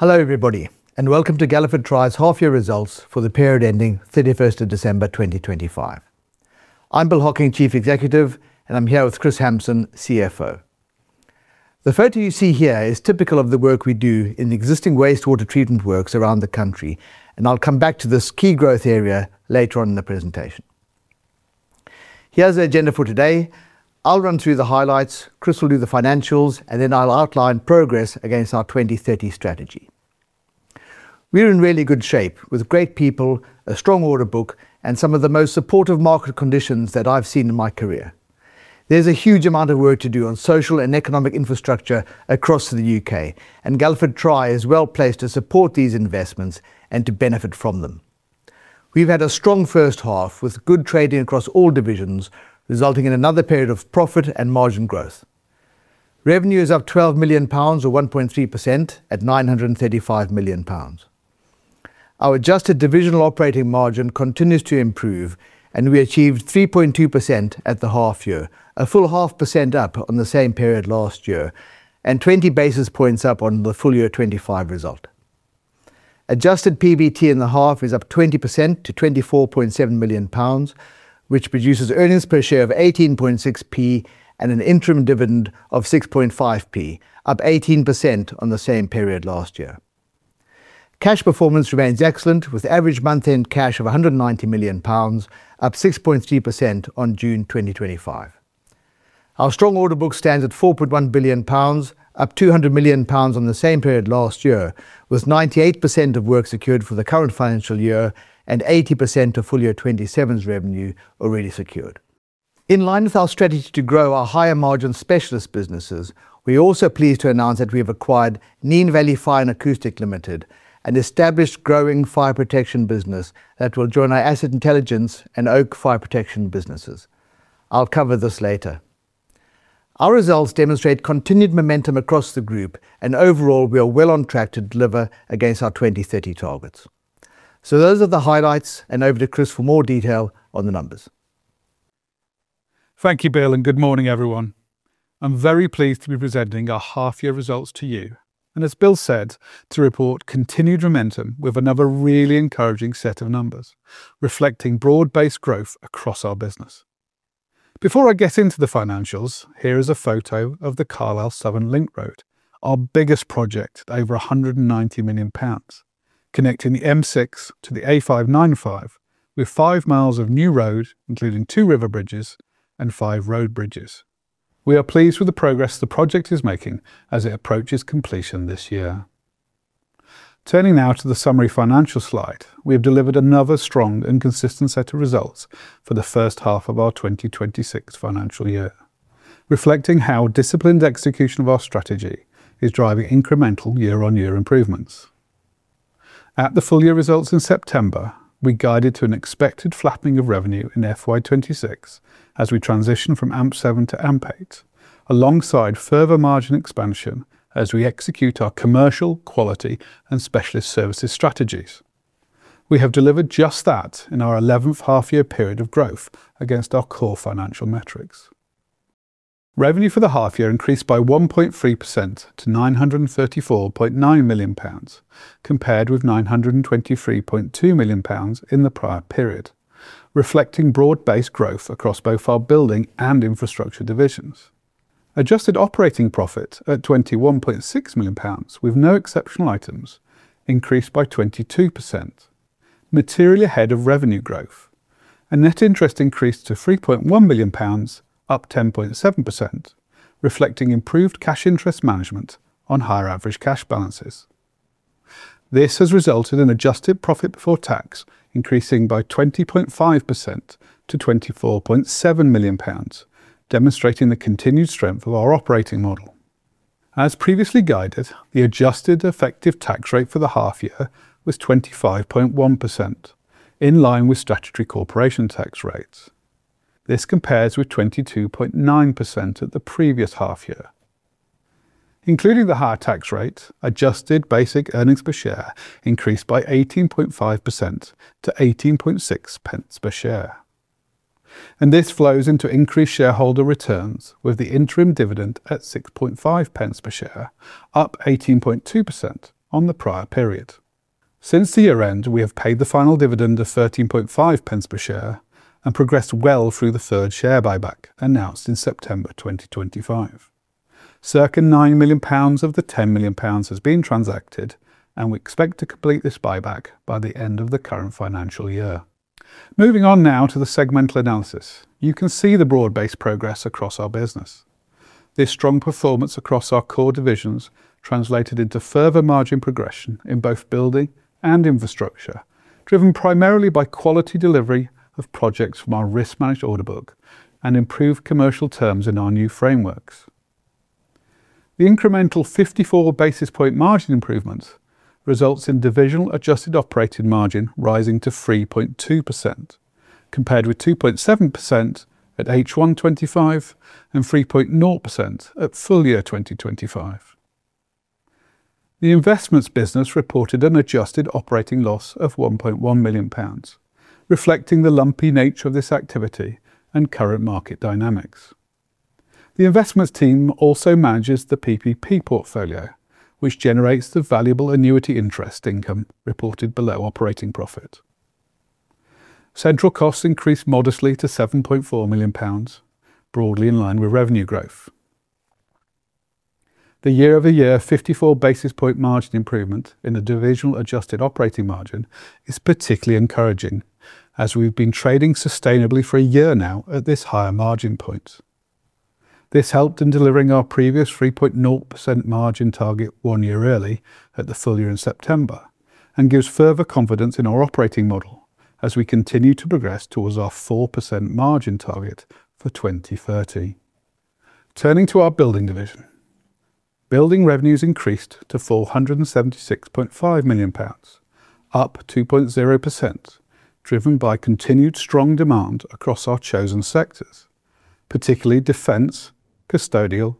Hello everybody, and welcome to Galliford Try's half year results for the period ending 31st of December, 2025. I'm Bill Hocking, Chief Executive, and I'm here with Kris Hampson, CFO. The photo you see here is typical of the work we do in existing wastewater treatment works around the country, and I'll come back to this key growth area later on in the presentation. Here's the agenda for today. I'll run through the highlights, Kris will do the financials, and then I'll outline progress against our 2030 strategy. We're in really good shape with great people, a strong order book, and some of the most supportive market conditions that I've seen in my career. There's a huge amount of work to do on social and economic infrastructure across the U.K., and Galliford Try is well placed to support these investments and to benefit from them. We've had a strong first half with good trading across all divisions, resulting in another period of profit and margin growth. Revenue is up 12 million pounds, or 1.3% at 935 million pounds. Our adjusted divisional operating margin continues to improve. We achieved 3.2% at the half year, a full half percent up on the same period last year and 20 basis points up on the FY 2025 result. Adjusted PBT in the half is up 20% to 24.7 million pounds, which produces earnings per share of 0.186 and an interim dividend of 0.065, up 18% on the same period last year. Cash performance remains excellent with average month end cash of GBP 190 million, up 6.3% on June 2025. Our strong order book stands at 4.1 billion pounds, up 200 million pounds on the same period last year with 98% of work secured for the current financial year and 80% of FY 2027's revenue already secured. In line with our strategy to grow our higher margin specialist businesses, we are also pleased to announce that we have acquired Nene Valley Fire & Acoustics Ltd, an established growing fire protection business that will join our Asset Intelligence and Oak Fire Protection businesses. I'll cover this later. Our results demonstrate continued momentum across the group and overall we are well on track to deliver against our 2030 targets. Those are the highlights and over to Kris for more detail on the numbers. Thank you, Bill, and good morning everyone. I'm very pleased to be presenting our half year results to you, and as Bill said, to report continued momentum with another really encouraging set of numbers reflecting broad-based growth across our business. Before I get into the financials, here is a photo of the Carlisle Southern Link Road, our biggest project at over 190 million pounds, connecting the M6 to the A595 with 5 mi of new road, including two river bridges and five road bridges. We are pleased with the progress the project is making as it approaches completion this year. Turning now to the summary financial slide. We have delivered another strong and consistent set of results for the first half of our 2026 financial year, reflecting how disciplined execution of our strategy is driving incremental year-on-year improvements. At the full year results in September, we guided to an expected flattening of revenue in FY 2026 as we transition from AMP7 to AMP8 alongside further margin expansion as we execute our commercial quality and specialist services strategies. We have delivered just that in our eleventh half year period of growth against our core financial metrics. Revenue for the half year increased by 1.3% to 934.9 million pounds, compared with 923.2 million pounds in the prior period, reflecting broad-based growth across both our Building and Infrastructure divisions. Adjusted operating profit at 21.6 million pounds with no exceptional items increased by 22%, materially ahead of revenue growth and net interest increased to 3.1 million pounds up 10.7%, reflecting improved cash interest management on higher average cash balances. This has resulted in adjusted profit before tax increasing by 20.5% to 24.7 million pounds, demonstrating the continued strength of our operating model. As previously guided, the adjusted effective tax rate for the half year was 25.1% in line with statutory corporation tax rates. This compares with 22.9% at the previous half year. Including the higher tax rate, adjusted basic earnings per share increased by 18.5% to 0.186 per share. This flows into increased shareholder returns with the interim dividend at 0.065 per share, up 18.2% on the prior period. Since the year end, we have paid the final dividend of 0.135 per share and progressed well through the third share buyback announced in September 2025. Circa 9 million pounds of the 10 million pounds has been transacted. We expect to complete this buyback by the end of the current financial year. Moving on now to the segmental analysis. You can see the broad-based progress across our business. This strong performance across our core divisions translated into further margin progression in both Building and Infrastructure, driven primarily by quality delivery of projects from our risk-managed order book and improved commercial terms in our new frameworks. The incremental 54 basis point margin improvements results in divisional adjusted operating margin rising to 3.2%, compared with 2.7% at H1 2025 and 3.0% at full year 2025. The Investments business reported an adjusted operating loss of 1.1 million pounds, reflecting the lumpy nature of this activity and current market dynamics. The Investments team also manages the PPP portfolio, which generates the valuable annuity interest income reported below operating profit. Central costs increased modestly to 7.4 million pounds, broadly in line with revenue growth. The year-over-year 54 basis point margin improvement in the divisional adjusted operating margin is particularly encouraging, as we've been trading sustainably for one year now at this higher margin point. This helped in delivering our previous 3.0% margin target one year early at the full year in September and gives further confidence in our operating model as we continue to progress towards our 4% margin target for 2030. Turning to our Building division. Building revenues increased to 476.5 million pounds, up 2.0%, driven by continued strong demand across our chosen sectors, particularly defense, custodial,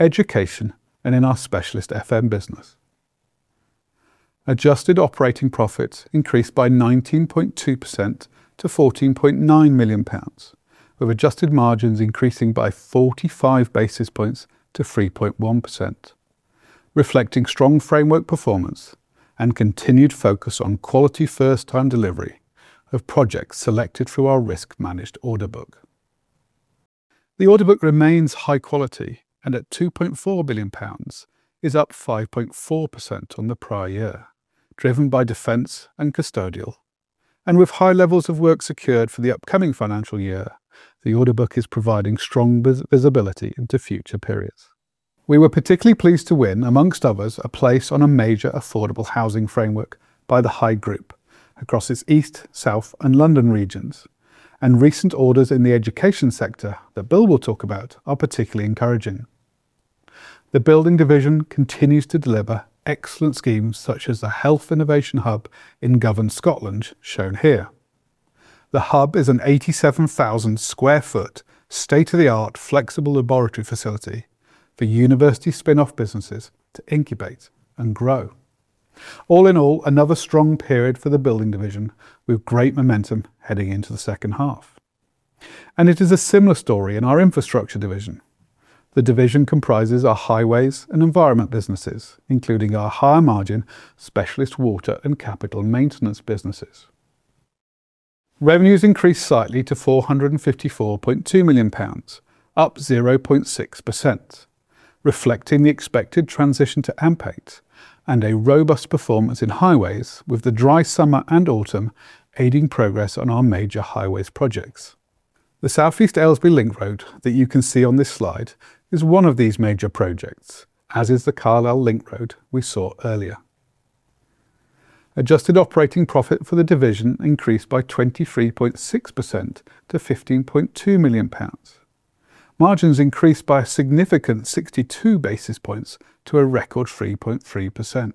education, and in our specialist FM business. Adjusted operating profits increased by 19.2% to 14.9 million pounds, with adjusted margins increasing by 45 basis points to 3.1%, reflecting strong framework performance and continued focus on quality first-time delivery of projects selected through our risk-managed order book. The order book remains high quality and at 2.4 billion pounds is up 5.4% on the prior year, driven by defense and custodial. With high levels of work secured for the upcoming financial year, the order book is providing strong visibility into future periods. We were particularly pleased to win, amongst others, a place on a major affordable housing framework by The Hyde Group across its East, South, and London regions. Recent orders in the education sector that Bill will talk about are particularly encouraging. The Building division continues to deliver excellent schemes such as the Health Innovation Hub in Govan, Scotland, shown here. The hub is an 87,000 sq ft state-of-the-art flexible laboratory facility for university spin-off businesses to incubate and grow. All in all, another strong period for the Building division with great momentum heading into the second half. It is a similar story in our Infrastructure division. The division comprises our highways and environment businesses, including our higher margin specialist water and capital maintenance businesses. Revenues increased slightly to 454.2 million pounds, up 0.6%, reflecting the expected transition to AMP8 and a robust performance in highways with the dry summer and autumn aiding progress on our major highways projects. The Southeast Aylesbury Link Road that you can see on this slide is one of these major projects, as is the Carlisle Link Road we saw earlier. Adjusted operating profit for the division increased by 23.6% to 15.2 million pounds. Margins increased by a significant 62 basis points to a record 3.3%,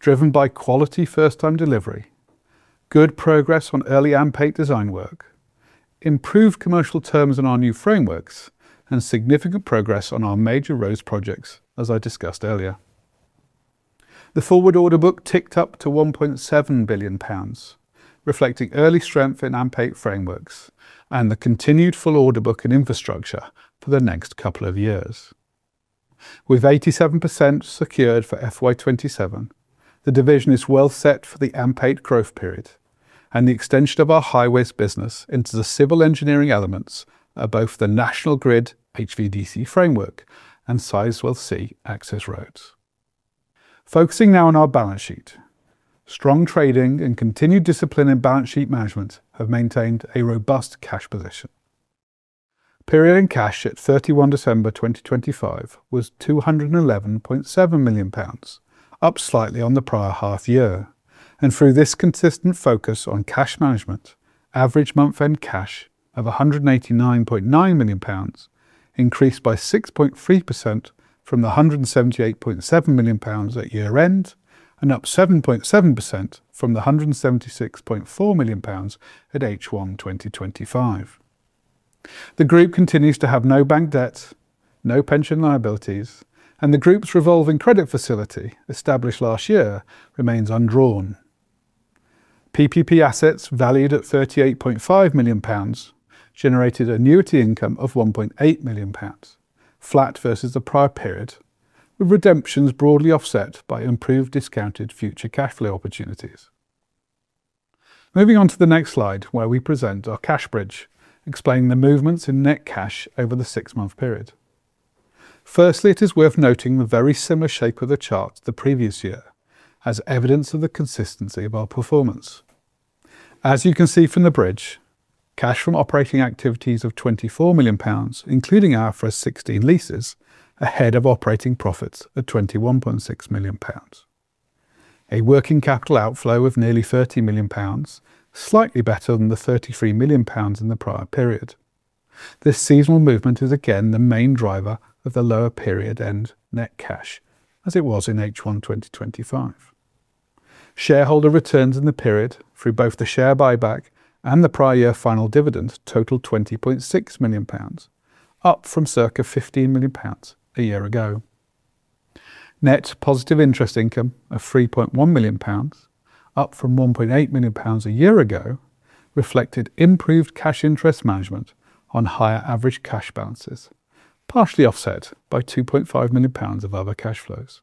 driven by quality first-time delivery, good progress on early AMP8 design work, improved commercial terms on our new frameworks, and significant progress on our major roads projects, as I discussed earlier. The forward order book ticked up to 1.7 billion pounds, reflecting early strength in AMP8 frameworks and the continued full order book in Infrastructure for the next couple of years. With 87% secured for FY 2027, the division is well set for the AMP8 growth period and the extension of our highways business into the civil engineering elements of both the National Grid HVDC framework and Sizewell C access roads. Focusing now on our balance sheet. Strong trading and continued discipline in balance sheet management have maintained a robust cash position. Period in cash at 31 December 2025 was 211.7 million pounds, up slightly on the prior half year. Through this consistent focus on cash management, average month-end cash of GBP 189.9 million increased by 6.3% from the GBP 178.7 million at year-end and up 7.7% from the GBP 176.4 million at H1 2025. The group continues to have no bank debt, no pension liabilities, and the group's revolving credit facility established last year remains undrawn. PPP assets valued at 38.5 million pounds generated annuity income of 1.8 million pounds, flat versus the prior period, with redemptions broadly offset by improved discounted future cash flow opportunities. Moving on to the next slide, where we present our cash bridge, explaining the movements in net cash over the six-month period. Firstly, it is worth noting the very similar shape of the chart to the previous year as evidence of the consistency of our performance. As you can see from the bridge, cash from operating activities of 24 million pounds, including IFRS 16 leases, ahead of operating profits at 21.6 million pounds. A working capital outflow of nearly 30 million pounds, slightly better than the 33 million pounds in the prior period. This seasonal movement is again the main driver of the lower period and net cash as it was in H1 2025. Shareholder returns in the period through both the share buyback and the prior year final dividend totaled 20.6 million pounds, up from circa 15 million pounds a year ago. Net positive interest income of 3.1 million pounds, up from 1.8 million pounds a year ago, reflected improved cash interest management on higher average cash balances, partially offset by 2.5 million pounds of other cash flows.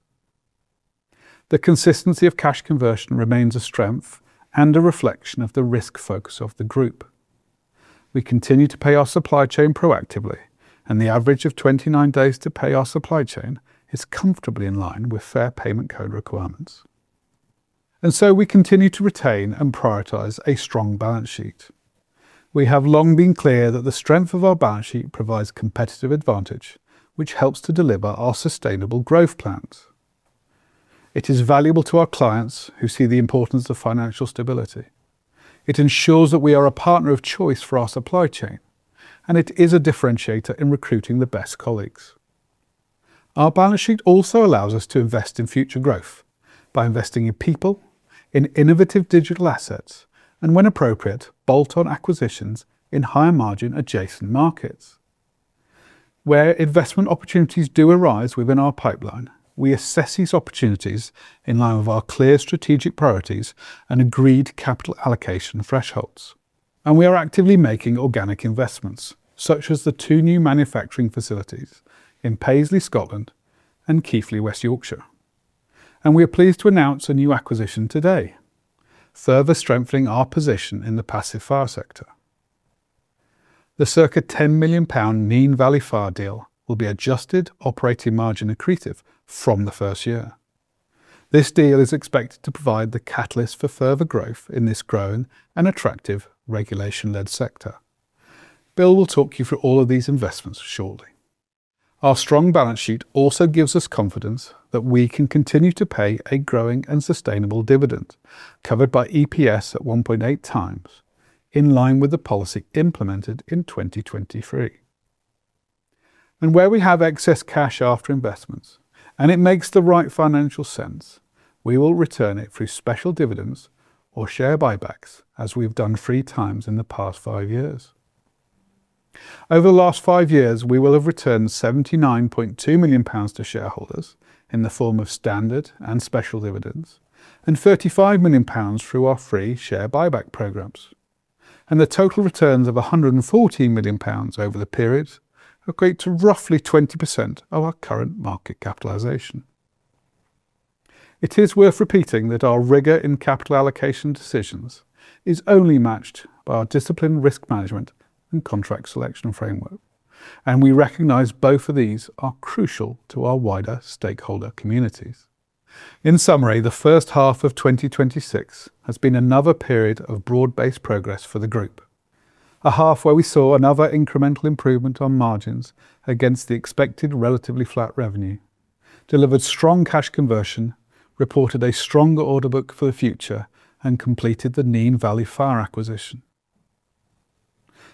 The consistency of cash conversion remains a strength and a reflection of the risk focus of the group. We continue to pay our supply chain proactively, and the average of 29 days to pay our supply chain is comfortably in line with Fair Payment Code requirements. We continue to retain and prioritize a strong balance sheet. We have long been clear that the strength of our balance sheet provides competitive advantage, which helps to deliver our sustainable growth plans. It is valuable to our clients who see the importance of financial stability. It ensures that we are a partner of choice for our supply chain, and it is a differentiator in recruiting the best colleagues. Our balance sheet also allows us to invest in future growth by investing in people, in innovative digital assets, and when appropriate, bolt-on acquisitions in higher margin adjacent markets. Where investment opportunities do arise within our pipeline, we assess these opportunities in line with our clear strategic priorities and agreed capital allocation thresholds. We are actively making organic investments, such as the two new manufacturing facilities in Paisley, Scotland and Keighley, West Yorkshire. We are pleased to announce a new acquisition today, further strengthening our position in the passive fire sector. The circa 10 million pound Nene Valley Fire deal will be adjusted operating margin accretive from the first year. This deal is expected to provide the catalyst for further growth in this growing and attractive regulation-led sector. Bill will talk you through all of these investments shortly. Our strong balance sheet also gives us confidence that we can continue to pay a growing and sustainable dividend covered by EPS at 1.8x in line with the policy implemented in 2023. Where we have excess cash after investments and it makes the right financial sense, we will return it through special dividends or share buybacks, as we've done 3x in the past five years. Over the last five years, we will have returned 79.2 million pounds to shareholders in the form of standard and special dividends and 35 million pounds through our three share buyback programs. The total returns of 114 million pounds over the period equate to roughly 20% of our current market capitalization. It is worth repeating that our rigor in capital allocation decisions is only matched by our disciplined risk management and contract selection framework. We recognize both of these are crucial to our wider stakeholder communities. In summary, the first half of FY 2026 has been another period of broad-based progress for the group. A half where we saw another incremental improvement on margins against the expected relatively flat revenue, delivered strong cash conversion, reported a stronger order book for the future, and completed the Nene Valley Fire acquisition.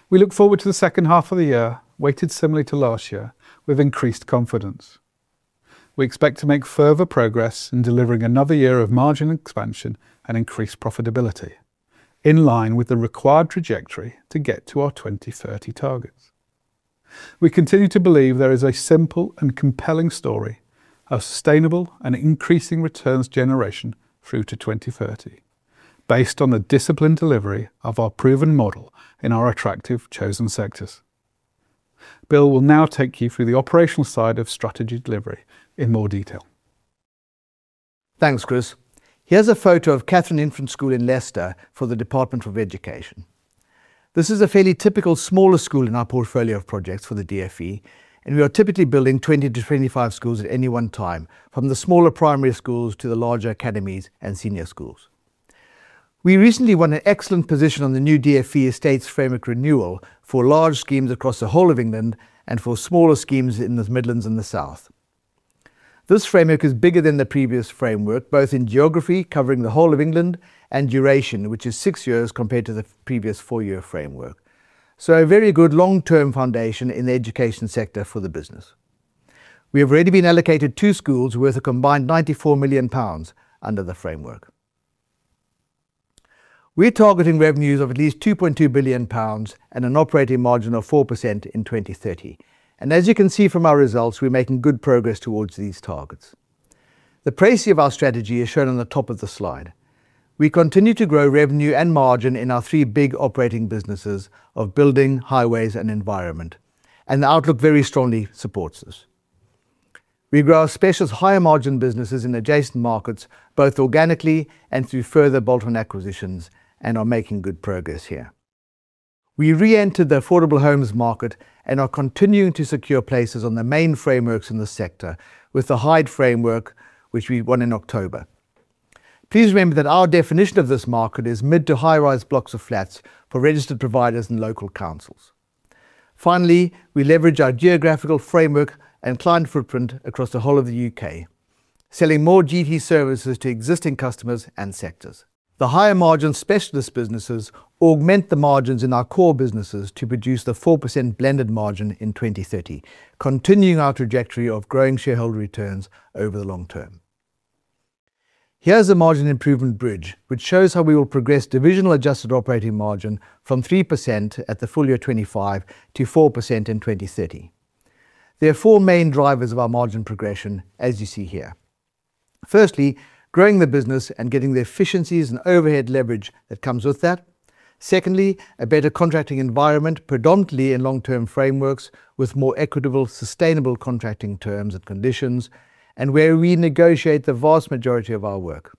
We look forward to the second half of the year, weighted similarly to last year, with increased confidence. We expect to make further progress in delivering another year of margin expansion and increased profitability in line with the required trajectory to get to our 2030 targets. We continue to believe there is a simple and compelling story of sustainable and increasing returns generation through to 2030 based on the disciplined delivery of our proven model in our attractive chosen sectors. Bill will now take you through the operational side of strategy delivery in more detail. Thanks, Kris. Here's a photo of Catherine Infant School in Leicester for the Department for Education. This is a fairly typical smaller school in our portfolio of projects for the DfE. We are typically building 20-25 schools at any one time, from the smaller primary schools to the larger academies and senior schools. We recently won an excellent position on the new DfE Estates Framework renewal for large schemes across the whole of England and for smaller schemes in the Midlands and the South. This framework is bigger than the previous framework, both in geography, covering the whole of England, and duration, which is six years compared to the previous four-year framework. A very good long-term foundation in the education sector for the business. We have already been allocated two schools worth a combined 94 million pounds under the framework. We're targeting revenues of at least 2.2 billion pounds and an operating margin of 4% in 2030. As you can see from our results, we're making good progress towards these targets. The pricing of our strategy is shown on the top of the slide. We continue to grow revenue and margin in our three big operating businesses of Building, highways and environment, the outlook very strongly supports this. We grow our specialist higher margin businesses in adjacent markets, both organically and through further bolt-on acquisitions, are making good progress here. We reentered the affordable homes market and are continuing to secure places on the main frameworks in the sector with the Hyde Framework, which we won in October. Please remember that our definition of this market is mid to high-rise blocks of flats for registered providers and local councils. Finally, we leverage our geographical framework and client footprint across the whole of the U.K., selling more GT services to existing customers and sectors. The higher margin specialist businesses augment the margins in our core businesses to produce the 4% blended margin in 2030, continuing our trajectory of growing shareholder returns over the long term. Here's the margin improvement bridge, which shows how we will progress divisional adjusted operating margin from 3% at the full year 2025 to 4% in 2030. There are four main drivers of our margin progression, as you see here. Firstly, growing the business and getting the efficiencies and overhead leverage that comes with that. Secondly, a better contracting environment, predominantly in long-term frameworks, with more equitable, sustainable contracting terms and conditions, and where we negotiate the vast majority of our work.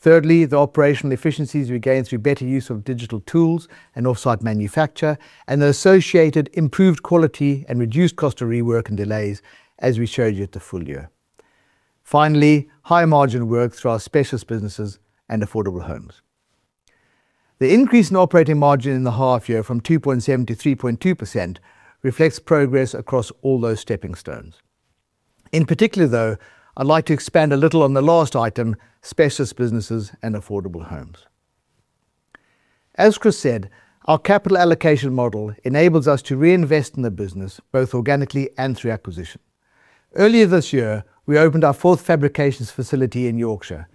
Thirdly, the operational efficiencies we gain through better use of digital tools and off-site manufacture, and the associated improved quality and reduced cost of rework and delays, as we showed you at the full year. Finally, higher margin work through our specialist businesses and affordable homes. The increase in operating margin in the half year from 2.7%-3.2% reflects progress across all those stepping stones. In particular, though, I'd like to expand a little on the last item, specialist businesses and affordable homes. As Kris said, our capital allocation model enables us to reinvest in the business, both organically and through acquisition. Earlier this year, we opened our fourth fabrications facility in Yorkshire,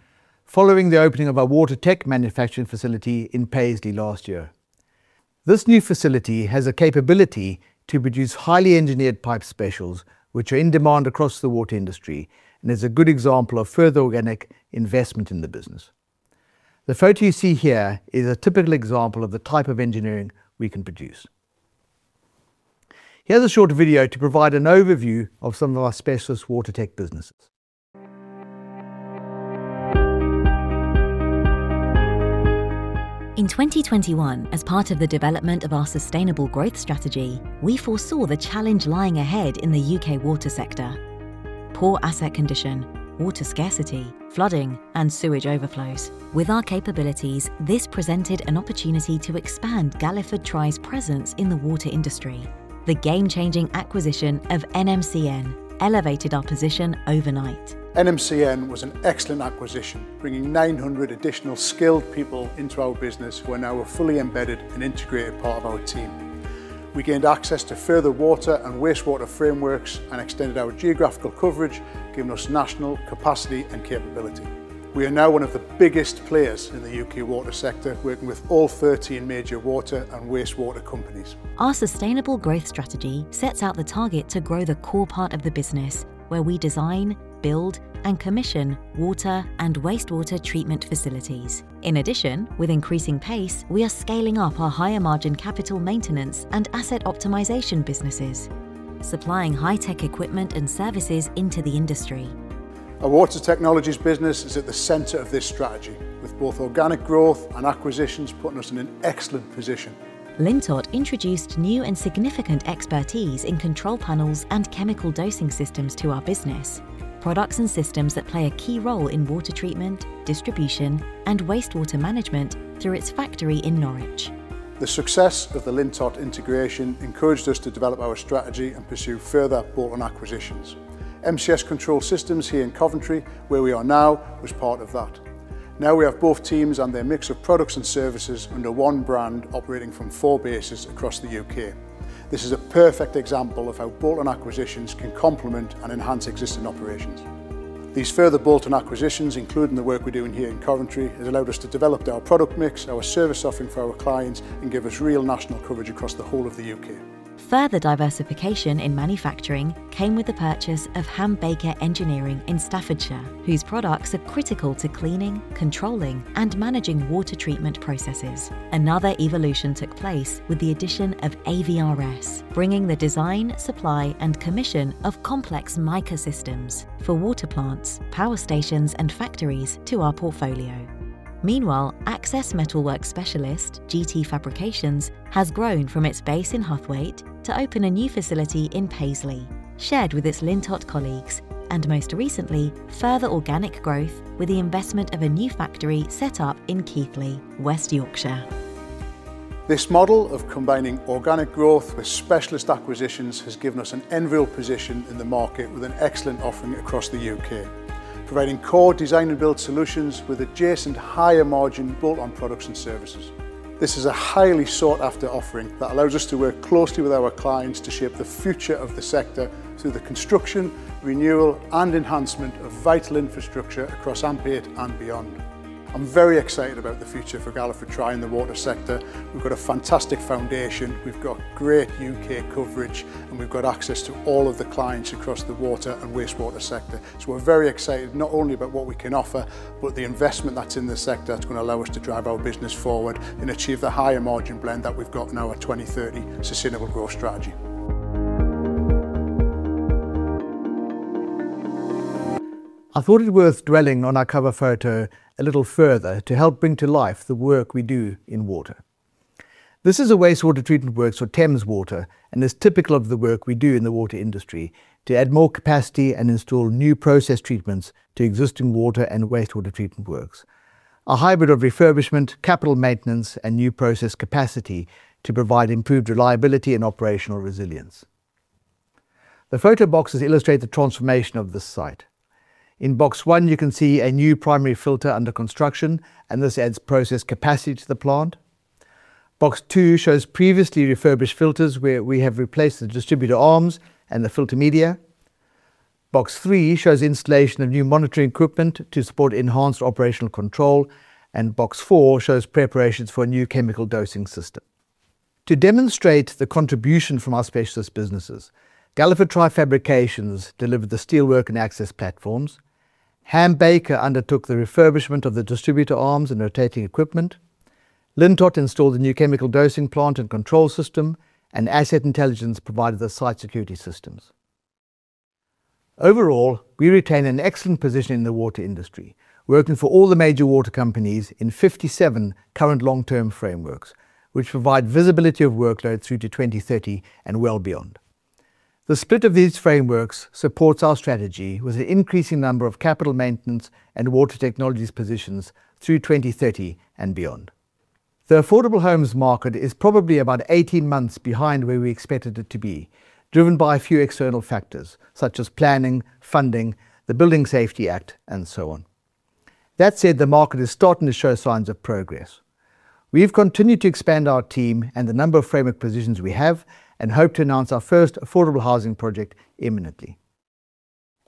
following the opening of our Water Tech manufacturing facility in Paisley last year. This new facility has a capability to produce highly engineered pipe specials, which are in demand across the water industry, and is a good example of further organic investment in the business. The photo you see here is a typical example of the type of engineering we can produce. Here's a short video to provide an overview of some of our specialist Water Tech businesses. In 2021, as part of the development of our sustainable growth strategy, we foresaw the challenge lying ahead in the U.K. water sector: poor asset condition, water scarcity, flooding, and sewage overflows. With our capabilities, this presented an opportunity to expand Galliford Try's presence in the water industry. The game-changing acquisition of nmcn elevated our position overnight. nmcn was an excellent acquisition, bringing 900 additional skilled people into our business who are now a fully embedded and integrated part of our team. We gained access to further water and wastewater frameworks and extended our geographical coverage, giving us national capacity and capability. We are now one of the biggest players in the U.K. water sector, working with all 13 major water and wastewater companies. Our sustainable growth strategy sets out the target to grow the core part of the business where we design, build, and commission water and wastewater treatment facilities. In addition, with increasing pace, we are scaling up our higher margin capital maintenance and asset optimization businesses, supplying high-tech equipment and services into the industry. Our Water Technologies business is at the center of this strategy, with both organic growth and acquisitions putting us in an excellent position. Lintott introduced new and significant expertise in control panels and chemical dosing systems to our business, products and systems that play a key role in water treatment, distribution, and wastewater management through its factory in Norwich. The success of the Lintott integration encouraged us to develop our strategy and pursue further bolt-on acquisitions. MCS Control Systems here in Coventry, where we are now, was part of that. Now we have both teams and their mix of products and services under one brand operating from four bases across the U.K. This is a perfect example of how bolt-on acquisitions can complement and enhance existing operations. These further bolt-on acquisitions, including the work we're doing here in Coventry, has allowed us to develop our product mix, our service offering for our clients, and give us real national coverage across the whole of the U.K. Further diversification in manufacturing came with the purchase of Ham Baker Engineering in Staffordshire, whose products are critical to cleaning, controlling, and managing water treatment processes. Another evolution took place with the addition of AVRS, bringing the design, supply, and commission of complex MEICA systems for water plants, power stations, and factories to our portfolio. Meanwhile, access metalwork specialist GT Fabrications has grown from its base in Huthwaite to open a new facility in Paisley, shared with its Lintott colleagues. Most recently, further organic growth with the investment of a new factory set up in Keighley, West Yorkshire. This model of combining organic growth with specialist acquisitions has given us an enviable position in the market with an excellent offering across the U.K., providing core design and build solutions with adjacent higher margin bolt-on products and services. This is a highly sought after offering that allows us to work closely with our clients to shape the future of the sector through the construction, renewal, and enhancement of vital infrastructure across AMP7 and beyond. I'm very excited about the future for Galliford Try in the water sector. We've got a fantastic foundation, we've got great U.K. coverage, and we've got access to all of the clients across the water and wastewater sector. We're very excited not only about what we can offer, but the investment that's in the sector that's going to allow us to drive our business forward and achieve the higher margin blend that we've got in our 2030 sustainable growth strategy. I thought it worth dwelling on our cover photo a little further to help bring to life the work we do in water. This is a wastewater treatment works for Thames Water, and is typical of the work we do in the water industry to add more capacity and install new process treatments to existing water and wastewater treatment works. A hybrid of refurbishment, capital maintenance, and new process capacity to provide improved reliability and operational resilience. The photo boxes illustrate the transformation of this site. In box 1, you can see a new primary filter under construction, and this adds process capacity to the plant. Box 2 shows previously refurbished filters where we have replaced the distributor arms and the filter media. Box 3 shows installation of new monitoring equipment to support enhanced operational control. Box 4 shows preparations for a new chemical dosing system. To demonstrate the contribution from our specialist businesses, Galliford Try Fabrications delivered the steelwork and access platforms. Ham Baker undertook the refurbishment of the distributor arms and rotating equipment. Lintott installed the new chemical dosing plant and control system, and Asset Intelligence provided the site security systems. Overall, we retain an excellent position in the water industry, working for all the major water companies in 57 current long-term frameworks, which provide visibility of workload through to 2030 and well beyond. The split of these frameworks supports our strategy with an increasing number of capital maintenance and Water Technologies positions through 2030 and beyond. The affordable homes market is probably about 18 months behind where we expected it to be, driven by a few external factors such as planning, funding, the Building Safety Act, and so on. That said, the market is starting to show signs of progress. We've continued to expand our team and the number of framework positions we have and hope to announce our first affordable housing project imminently.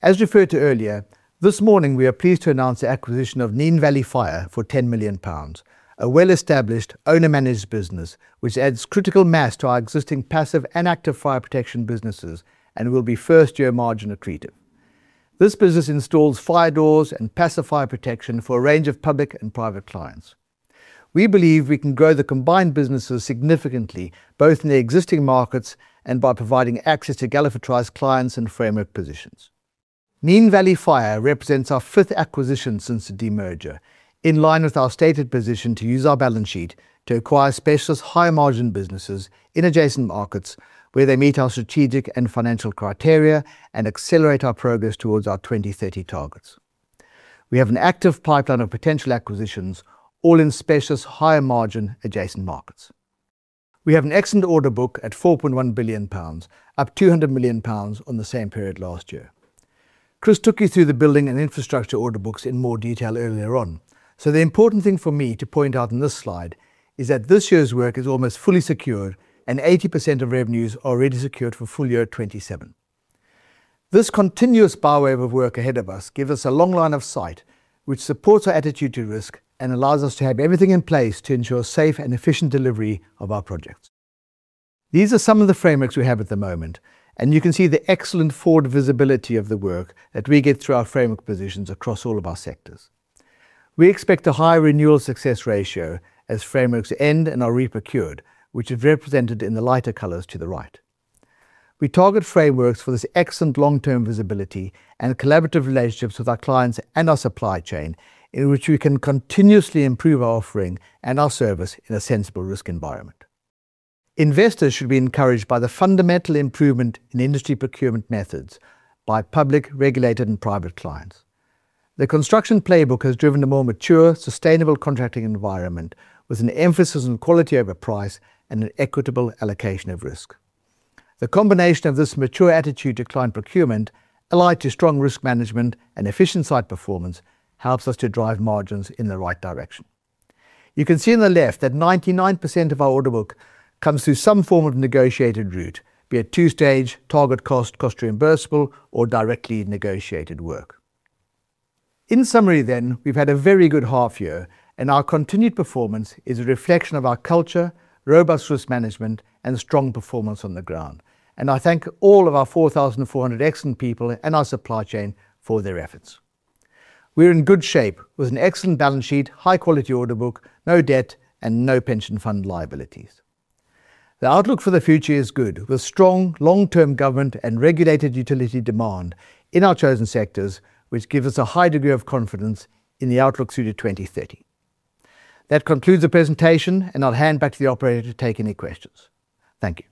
As referred to earlier, this morning we are pleased to announce the acquisition of Nene Valley Fire for 10 million pounds, a well-established owner-managed business which adds critical mass to our existing passive and active fire protection businesses and will be first-year margin accretive. This business installs fire doors and passive fire protection for a range of public and private clients. We believe we can grow the combined businesses significantly, both in their existing markets and by providing access to Galliford Try's clients and framework positions. Nene Valley Fire represents our fifth acquisition since the demerger, in line with our stated position to use our balance sheet to acquire specialist high-margin businesses in adjacent markets where they meet our strategic and financial criteria and accelerate our progress towards our 2030 targets. We have an active pipeline of potential acquisitions, all in specialist higher margin adjacent markets. We have an excellent order book at 4.1 billion pounds, up 200 million pounds on the same period last year. Kris took you through the Building and Infrastructure order books in more detail earlier on. The important thing for me to point out in this slide is that this year's work is almost fully secured and 80% of revenues already secured for FY 2027. This continuous power wave of work ahead of us gives us a long line of sight which supports our attitude to risk and allows us to have everything in place to ensure safe and efficient delivery of our projects. These are some of the frameworks we have at the moment, and you can see the excellent forward visibility of the work that we get through our framework positions across all of our sectors. We expect a high renewal success ratio as frameworks end and are re-procured, which is represented in the lighter colors to the right. We target frameworks for this excellent long-term visibility and collaborative relationships with our clients and our supply chain in which we can continuously improve our offering and our service in a sensible risk environment. Investors should be encouraged by the fundamental improvement in industry procurement methods by public, regulated, and private clients. The Construction Playbook has driven a more mature, sustainable contracting environment with an emphasis on quality over price and an equitable allocation of risk. The combination of this mature attitude to client procurement, allied to strong risk management and efficient site performance, helps us to drive margins in the right direction. You can see on the left that 99% of our order book comes through some form of negotiated route, be it two-stage, target cost reimbursable, or directly negotiated work. In summary, we've had a very good half year and our continued performance is a reflection of our culture, robust risk management and strong performance on the ground. I thank all of our 4,400 excellent people and our supply chain for their efforts. We're in good shape with an excellent balance sheet, high quality order book, no debt and no pension fund liabilities. The outlook for the future is good, with strong long-term government and regulated utility demand in our chosen sectors, which gives us a high degree of confidence in the outlook through to 2030. That concludes the presentation, and I'll hand back to the operator to take any questions. Thank you.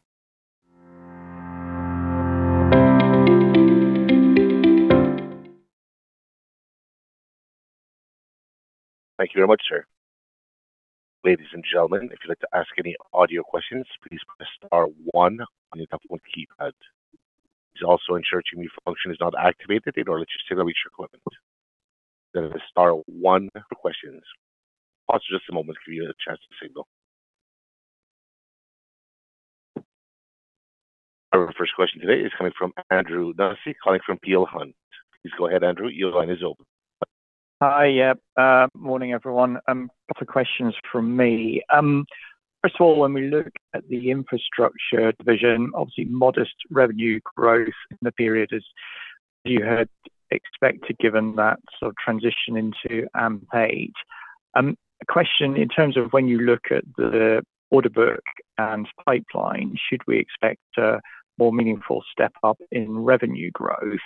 Thank you very much, sir. Ladies and gentlemen, if you'd like to ask any audio questions, please press star one on your telephone keypad. Please also ensure mute function is not activated in order to stimulate your equipment. Star one for questions. Pause for just a moment to give you a chance to signal. Our first question today is coming from Andrew Nussey, calling from Peel Hunt. Please go ahead, Andrew. Your line is open. Hi. Yeah. Morning, everyone. A couple of questions from me. First of all, when we look at the Infrastructure division, obviously modest revenue growth in the period as you had expected, given that sort of transition into paid. A question in terms of when you look at the order book and pipeline, should we expect a more meaningful step up in revenue growth?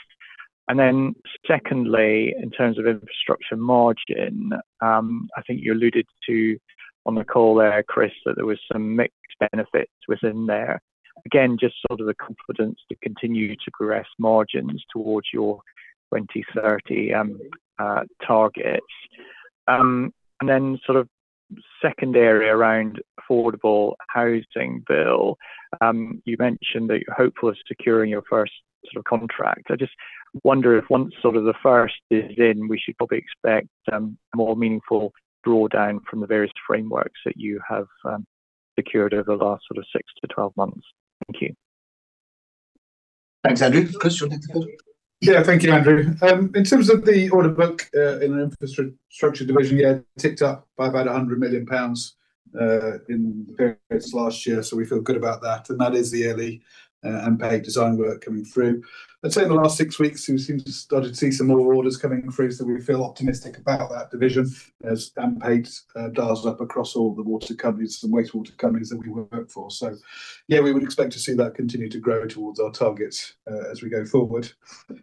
Secondly, in terms of Infrastructure margin, I think you alluded to on the call there, Kris, that there was some mixed benefits within there. Again, just sort of the confidence to continue to progress margins towards your 2030 target. Then sort of second area around affordable housing Bill. You mentioned that you're hopeful of securing your first sort of contract. I just wonder if once sort of the first is in, we should probably expect more meaningful draw down from the various frameworks that you have secured over the last sort of six to 12 months. Thank you. Thanks, Andrew. Chris, you're next. Yeah. Thank you, Andrew. In terms of the order book, in our Infrastructure division, yeah, it ticked up by about 100 million pounds in the periods last year. We feel good about that is the early AMP8 design work coming through. I'd say in the last six weeks we seem to have started to see some more orders coming through, we feel optimistic about that division as AMP8 dials up across all the water companies and wastewater companies that we work for. Yeah, we would expect to see that continue to grow towards our targets as we go forward.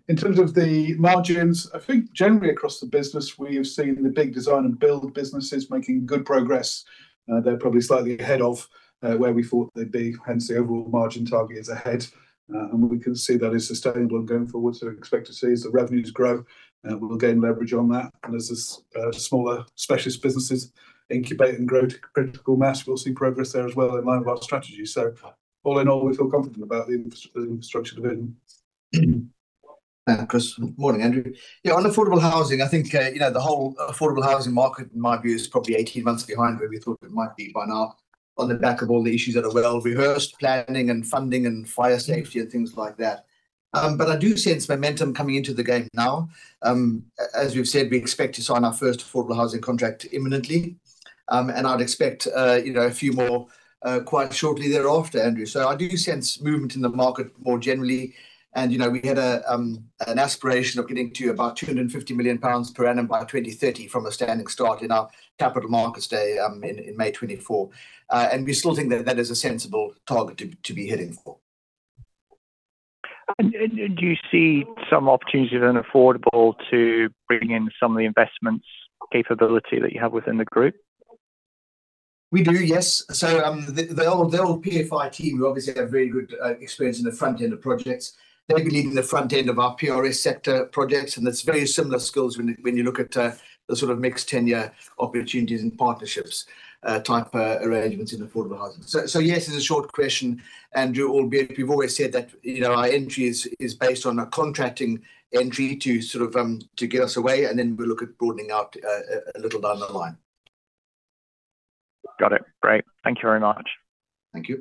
In terms of the margins, I think generally across the business we have seen the big design and build businesses making good progress. They're probably slightly ahead of where we thought they'd be, hence the overall margin target is ahead. We can see that is sustainable going forward. We expect to see as the revenues grow, we will gain leverage on that. As the smaller specialist businesses incubate and grow to critical mass, we'll see progress there as well in line with our strategy. All in all, we feel confident about the Infrastructure division. Thanks, Kris. Morning, Andrew. Yeah, on affordable housing, I think, you know, the whole affordable housing market in my view is probably 18 months behind where we thought it might be by now on the back of all the issues that are well rehearsed, planning and funding and fire safety and things like that. I do sense momentum coming into the game now. As we've said, we expect to sign our first affordable housing contract imminently. I'd expect, you know, a few more quite shortly thereafter, Andrew. I do sense movement in the market more generally. You know, we had an aspiration of getting to about 250 million pounds per annum by 2030 from a standing start in our Capital Markets Day in May 2024. We still think that that is a sensible target to be heading for. Do you see some opportunities in affordable to bring in some of the Investments capability that you have within the group? We do, yes. The old PFI team obviously have very good experience in the front end of projects. They'll be leading the front end of our PRS sector projects, and that's very similar skills when you look at the sort of mixed tenure opportunities and partnerships type arrangements in affordable housing. Yes is the short question, Andrew, albeit we've always said that, you know, our entry is based on a contracting entry to sort of get us away, and then we'll look at broadening out a little down the line. Got it. Great. Thank you very much. Thank you.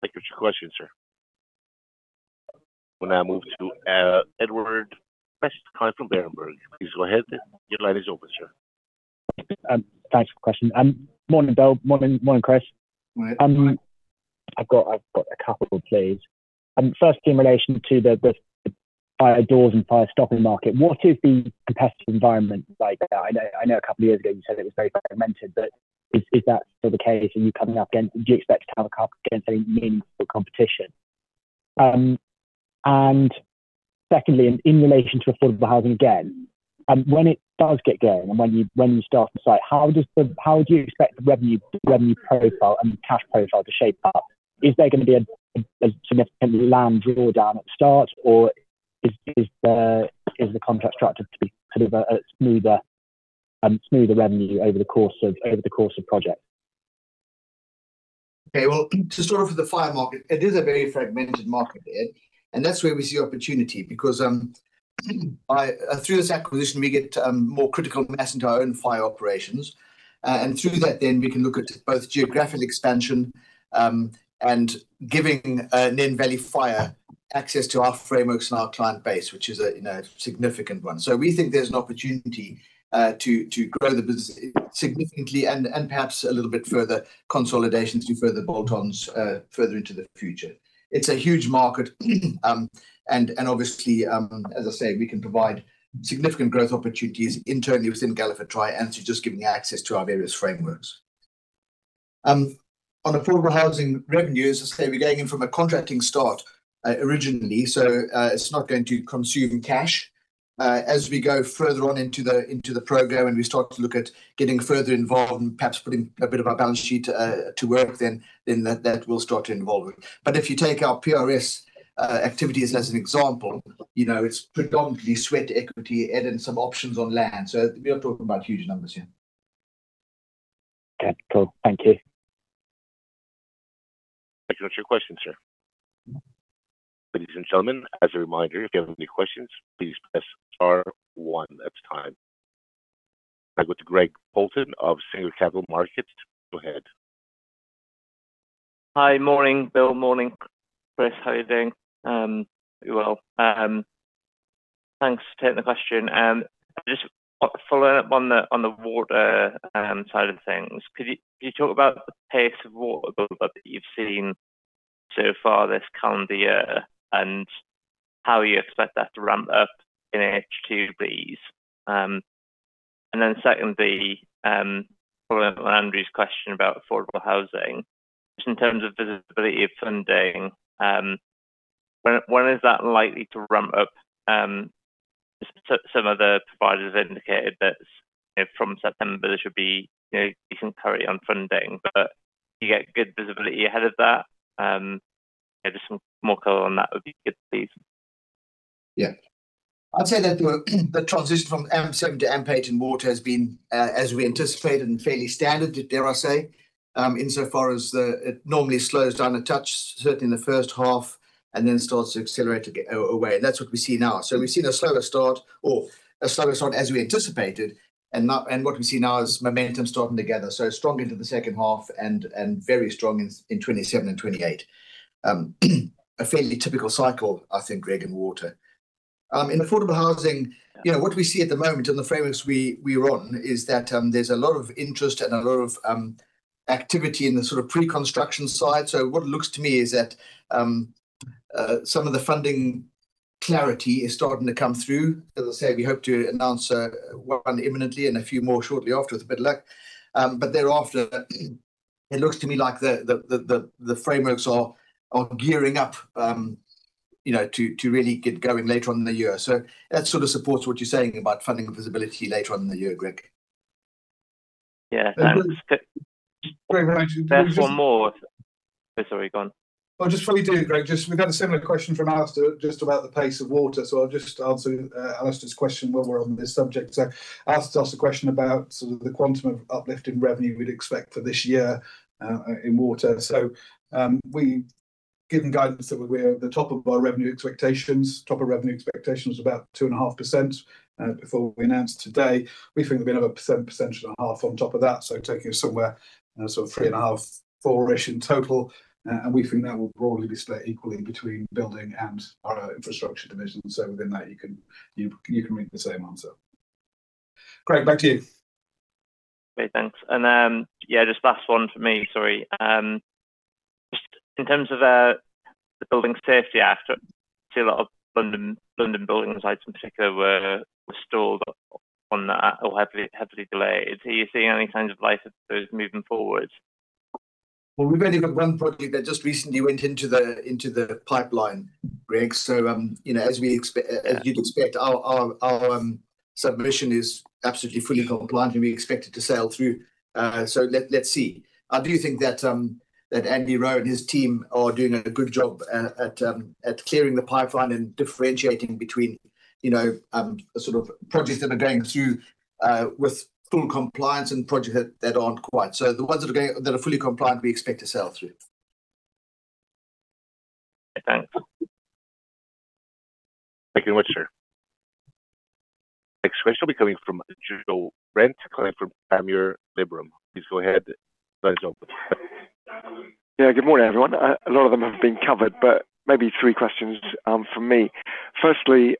Thank you for your question, sir. We'll now move to Edward Prest from Berenberg. Please go ahead. Your line is open, sir. Thanks for the question. Morning, Bill. Morning, Chris. Morning. I've got a couple please. Firstly in relation to the fire doors and fire stopping market, what is the competitive environment like? I know a couple of years ago you said it was very fragmented, is that still the case? Do you expect to come up against any meaningful competition? Secondly, in relation to affordable housing again, when it does get going and when you start the site, how does the revenue profile and cash profile to shape up? Is there gonna be a significant land draw down at the start? Is the contract structured to be kind of a smoother revenue over the course of project? Okay. Well, sort of for the fire market, it is a very fragmented market, Ed, and that's where we see opportunity because through this acquisition we get more critical mass into our own fire operations. Through that then we can look at both geographic expansion, and giving Nene Valley Fire access to our frameworks and our client base, which is a, you know, significant one. We think there's an opportunity to grow the business significantly and perhaps a little bit further consolidation through further bolt-ons, further into the future. It's a huge market, and obviously, as I say, we can provide significant growth opportunities internally within Galliford Try and through just giving access to our various frameworks. On affordable housing revenues, as I say, we're going in from a contracting start originally, it's not going to consume cash. As we go further on into the program and we start to look at getting further involved and perhaps putting a bit of our balance sheet to work, then that will start to involve it. If you take our PRS activities as an example, it's predominantly sweat equity and in some options on land. We are talking about huge numbers here. Okay, cool. Thank you. Thank you. That's your question, sir. Ladies and gentlemen, as a reminder, if you have any questions, please press star one at this time. Back with Greg Poulton of Singer Capital Markets. Go ahead. Hi. Morning, Bill. Morning, Kris. How are you doing? Very well. Thanks for taking the question. Just following up on the water side of things. Could you talk about the pace of water build up that you've seen so far this calendar year and how you expect that to ramp up in H2 please? Secondly, following up on Andrew's question about affordable housing. Just in terms of visibility of funding, when is that likely to ramp up? Some of the providers have indicated that, you know, from September there should be, you know, decency on funding. Do you get good visibility ahead of that? You know, just some more color on that would be good please. Yeah. I'd say that the transition from AMP7 to AMP8 in water has been as we anticipated and fairly standard, dare I say, insofar as it normally slows down a touch, certainly in the first half, then starts to accelerate away. That's what we see now. We've seen a slower start or a slower start as we anticipated, and what we see now is momentum starting to gather. Strong into the second half and very strong in 2027 and 2028. A fairly typical cycle I think, Greg, in water. In affordable housing- Yeah. - you know, what we see at the moment in the frameworks we are on is that there's a lot of interest and a lot of activity in the sort of pre-construction side. What it looks to me is that some of the funding clarity is starting to come through. As I say, we hope to announce one imminently and a few more shortly after with a bit of luck. Thereafter, it looks to me like the frameworks are gearing up, you know, to really get going later on in the year. That sort of supports what you're saying about funding visibility later on in the year, Greg. Yeah. And- There's one more. Oh, sorry, go on. Just while you do, Greg, just we've got a similar question from Alistair just about the pace of water, so I'll just answer Alistair's question while we're on this subject. Alistair asked a question about sort of the quantum of uplift in revenue we'd expect for this year in water. We've given guidance that we're at the top of our revenue expectations. Top of revenue expectations was about 2.5% before we announced today. We think there'll be another 1%, 1.5% on top of that, so taking us somewhere sort of 3.5%, 4%-ish in total. We think that will broadly be split equally between Building and our Infrastructure division. Within that you can read the same answer. Greg, back to you. Okay, thanks. Just last one from me. Just in terms of the Building Safety Act, I see a lot of London building sites in particular were stalled on that or heavily delayed. Are you seeing any signs of life of those moving forward? We've only got one project that just recently went into the pipeline, Greg, you know, as you'd expect, our submission is absolutely fully compliant and we expect it to sail through. Let's see. I do think that Andy Ward and his team are doing a good job at clearing the pipeline and differentiating between, you know, sort of projects that are going through with full compliance and projects that aren't quite. The ones that are fully compliant, we expect to sail through. Okay, thanks. Thank you, Richard. Next question will be coming from Joe Brent, client from PanmureLiberum. Please go ahead. The floor is open. Yeah. Good morning, everyone. A lot of them have been covered, but maybe three questions from me. Firstly,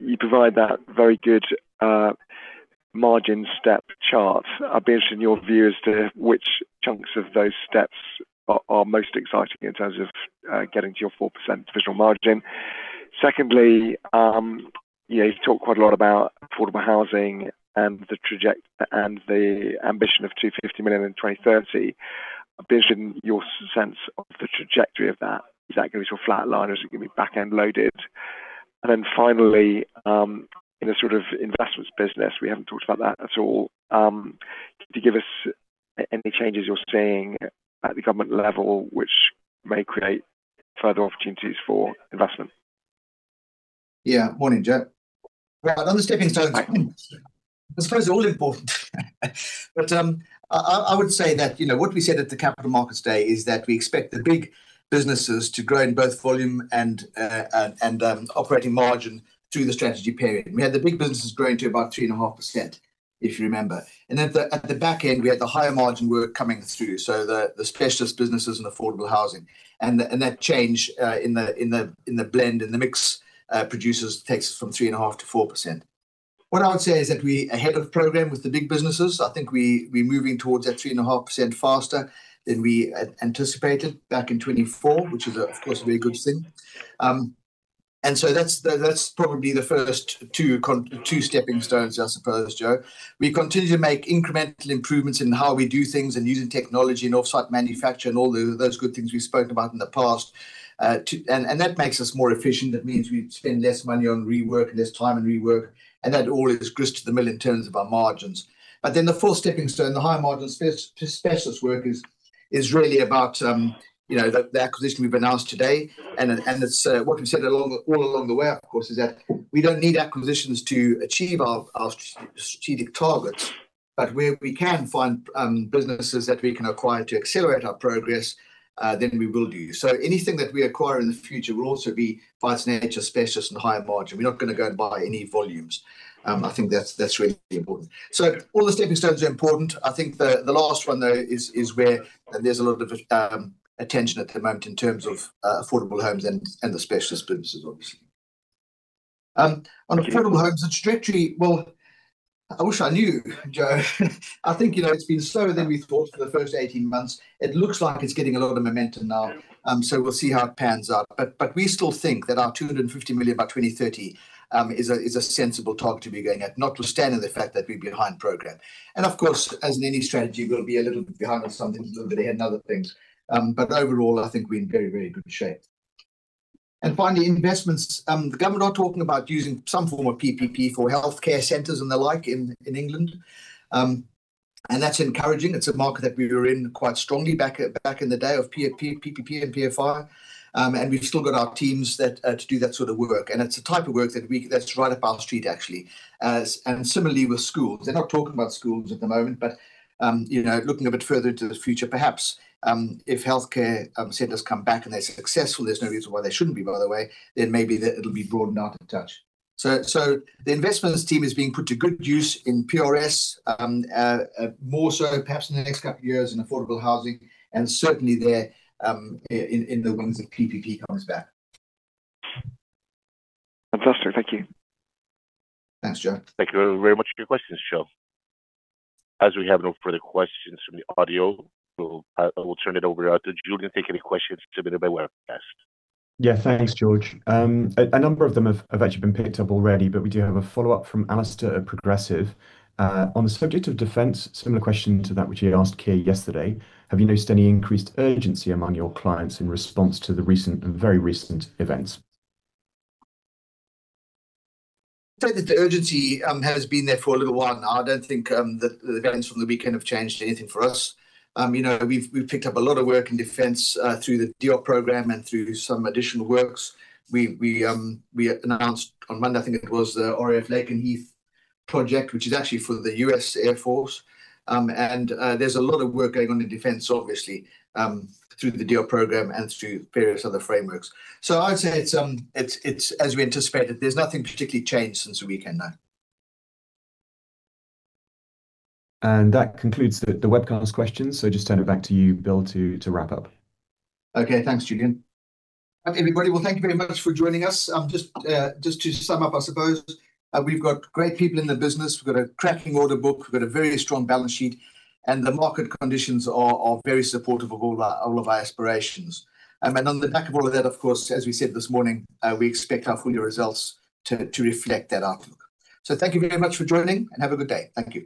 you provide that very good margin step chart. I'd be interested in your view as to which chunks of those steps are most exciting in terms of getting to your 4% divisional margin. Secondly, you know, you talk quite a lot about affordable housing and the ambition of 250 million in 2030. I'm interested in your sense of the trajectory of that. Is that gonna sort of flatline or is it gonna be back-end loaded? Finally, in the sort of Investments business, we haven't talked about that at all. Can you give us any changes you're seeing at the government level which may create further opportunities for investment? Morning, Joe. On the steppingstone question, I suppose they're all important. I would say that, what we said at the Capital Markets Day is that we expect the big businesses to grow in both volume and operating margin through the strategy period. We had the big businesses growing to about 3.5%, if you remember. At the back end, we had the higher margin work coming through, so the specialist businesses and affordable housing, and that change in the blend and the mix produces, takes us from 3.5%-4%. What I would say is that we are ahead of program with the big businesses. I think we're moving towards that 3.5% faster than we anticipated back in 2024, which is of course a very good thing. That's the, that's probably the first two steppingstones, I suppose, Joe. We continue to make incremental improvements in how we do things and using technology and offsite manufacture and all the, those good things we've spoken about in the past, and that makes us more efficient. That means we spend less money on rework, less time on rework, and that all is grist to the mill in terms of our margins. The fourth steppingstone, the higher margin specialist work is really about, you know, the acquisition we've announced today. It's what we've said all along the way, of course, is that we don't need acquisitions to achieve our strategic targets. Where we can find businesses that we can acquire to accelerate our progress, then we will do. Anything that we acquire in the future will also be by its nature specialist and higher margin. We're not gonna go and buy any volumes. I think that's really important. All the steppingstones are important. I think the last one though is where there's a lot of attention at the moment in terms of affordable homes and the specialist businesses obviously. On affordable homes, the trajectory, well, I wish I knew, Joe. I think, you know, it's been slower than we thought for the first 18 months. It looks like it's getting a lot of the momentum now. We'll see how it pans out. We still think that our 250 million by 2030 is a sensible target to be going at, notwithstanding the fact that we'd be behind program. Of course, as in any strategy, we'll be a little bit behind on some things, a little bit ahead on other things. Overall, I think we're in very, very good shape. Finally, Investments. The government are talking about using some form of PPP for healthcare centers and the like in England. That's encouraging. It's a market that we were in quite strongly back in the day of PPP and PFI. We've still got our teams that to do that sort of work, and it's the type of work that's right up our street, actually. Similarly with schools. They're not talking about schools at the moment, but, you know, looking a bit further into the future, perhaps, if healthcare centers come back and they're successful, there's no reason why they shouldn't be, by the way, then maybe it'll be broadened out a touch. The Investments team is being put to good use in PRS, more so perhaps in the next couple of years in affordable housing, and certainly they're in the wings if PPP comes back. Fantastic. Thank you. Thanks, Joe. Thank you very much for your questions, Joe. As we have no further questions from the audio, we'll turn it over out to Julian to take any questions submitted by webcast. Yeah. Thanks, George. A number of them have actually been picked up already. We do have a follow-up from Alastair at Progressive. On the subject of defense, similar question to that which he asked Kier yesterday: Have you noticed any increased urgency among your clients in response to the recent, very recent events? I'd say that the urgency, has been there for a little while now. I don't think the events from the weekend have changed anything for us. You know, we've picked up a lot of work in Defense through the DEO program and through some additional works. We announced on Monday, I think it was, the RAF Lakenheath project, which is actually for the U.S. Air Force. And there's a lot of work going on in Defense, obviously, through the DEO program and through various other frameworks. I'd say it's as we anticipated. There's nothing particularly changed since the weekend, no. That concludes the webcast questions. Just turn it back to you, Bill, to wrap up. Okay. Thanks, Julian. Okay, everybody, well, thank you very much for joining us. Just to sum up, I suppose, we've got great people in the business. We've got a cracking order book. We've got a very strong balance sheet, and the market conditions are very supportive of all our, all of our aspirations. On the back of all of that, of course, as we said this morning, we expect our full-year results to reflect that outlook. Thank you very much for joining, and have a good day. Thank you.